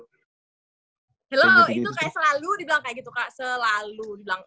film itu kayak selalu dibilang kayak gitu kak selalu